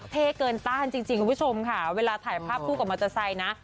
เท่เกินต้านจริงคุณผู้ชมค่ะเวลาถ่ายภาพคู่กับมอเตอร์ไซค์นะ